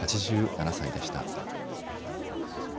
８７歳でした。